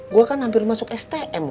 gue kan hampir masuk stm